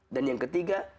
dan yang ketiga